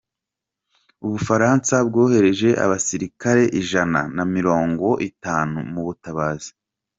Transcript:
U Bufaransa bwohereje abasirikare ijana namirongwitanu mu butabazi